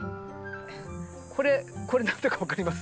これこれ何だか分かります？